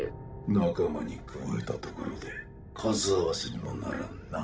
仲間に加えたところで数合わせにもならんな。